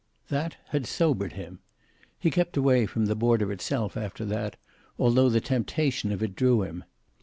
That had sobered him. He kept away from the border itself after that, although the temptation of it drew him.